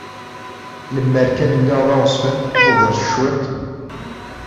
Lemmer kan lliɣ d aɣezfan ugar s cwiṭ!